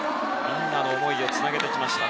みんなの思いをつなげてきました